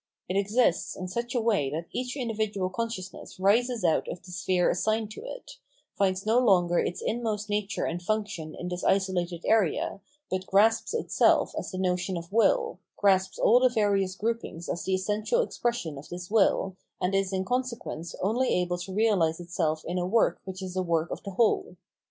It exists in such a way that each individual conscious ness rises out of the sphere assigned to it, finds no longer its inmost nature and function in this isolated area, but grasps itself as the notion of wiU, grasps all the various groupings as the essential expression of this will, and is in consequence only able to realise itself in a work which is a work of the whole.